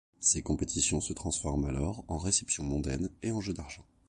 Ces compétitions se transforment alors en réception mondaine et en jeu d'argent.